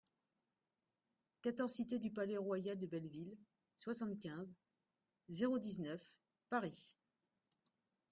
quatorze cité du Palais-Royal de Belleville, soixante-quinze, zéro dix-neuf, Paris